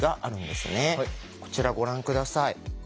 こちらご覧下さい。